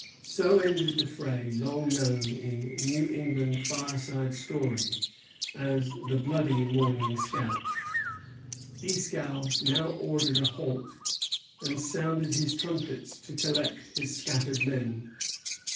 So ended the fray long known in New England fireside story as the "bloody morning scout." Dieskau now ordered a halt, and sounded his trumpets to collect his scattered men.